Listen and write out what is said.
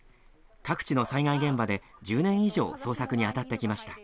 各地の災害現場で１０年以上捜索にあたってきました。